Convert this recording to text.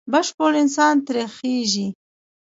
بشپړ انسان ترې خېژي.